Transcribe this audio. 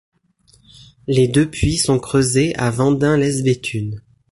Les deux puits sont creusés à Vendin-lès-Béthune.